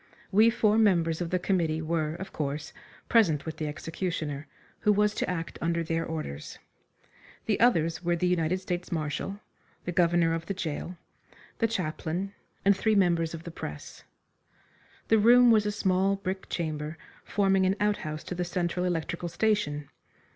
We four members of the committee were, of course, present with the executioner, who was to act under their orders. The others were the United States Marshal, the governor of the gaol, the chaplain, and three members of the press. The room was a small brick chamber, forming an outhouse to the Central Electrical station.